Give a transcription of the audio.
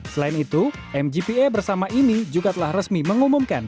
selain itu mgpa bersama ini juga telah resmi mengumumkan